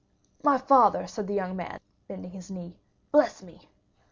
"My father," said the young man, bending his knee, "bless me!"